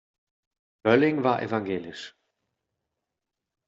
Bölling war evangelisch.